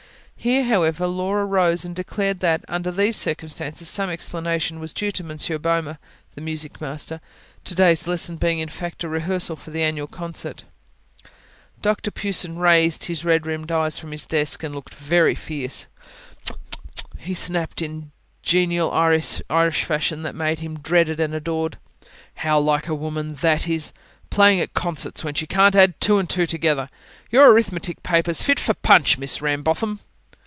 Here, however, Laura rose and declared that, under these circumstances, some explanation was due to Monsieur Boehmer, the music master, to day's lesson being in fact a rehearsal for the annual concert. Dr Pughson raised his red rimmed eyes from his desk and looked very fierce. "Tch, tch, tch!" he snapped, in the genial Irish fashion that made him dreaded and adored. "How like a woman that is! Playing at concerts when she can't add two and two together! Your arithmetic paper's fit for PUNCH, Miss Rambotham."